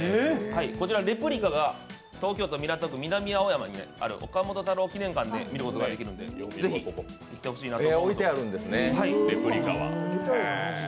こちらレプリカが東京都港区南青山にある岡本太郎記念館で見ることができるのでぜひ、行ってほしいなと思います。